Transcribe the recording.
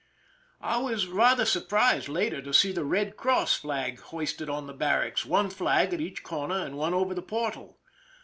I was rather surprised later to see the Eed Cross flag hoisted on the barracks, one flag at each corner and one over the portal.